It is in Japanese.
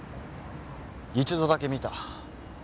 一度だけ見た。